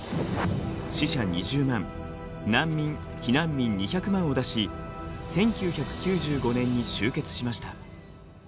死者２０万難民避難民２００万を出し１９９５年に終結しました。